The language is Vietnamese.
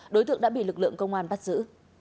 đối tượng đã bị lực lượng công an bắt giữ